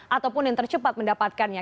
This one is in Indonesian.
ataupun yang tercepat mendapatkannya